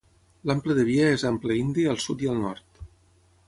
L'ample de via és ample indi al sud i al nord.